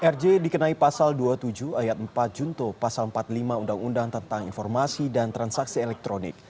rj dikenai pasal dua puluh tujuh ayat empat junto pasal empat puluh lima undang undang tentang informasi dan transaksi elektronik